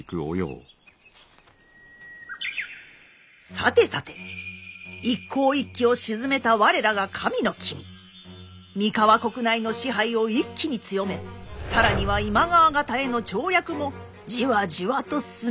さてさて一向一揆を鎮めた我らが神の君三河国内の支配を一気に強め更には今川方への調略もじわじわと進めておられました。